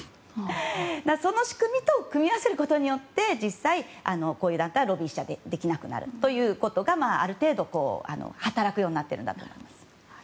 その仕組みと組み合わせることによって実際、こういう団体はロビーできなくなるということがある程度、働くようになっているんだと思います。